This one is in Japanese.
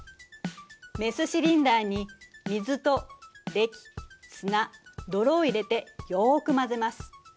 メスシリンダーに水とれき砂泥を入れてよく混ぜます。